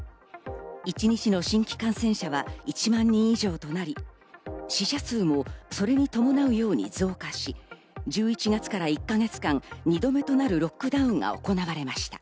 一日の新規感染者は１万人以上となり、死者数もそれに伴うように増加し、１１月から１か月間、２度目となるロックダウンが行われました。